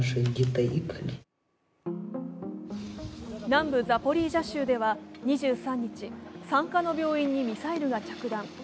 南部ザポリージャ州では２３日、産科の病院にミサイルが着弾。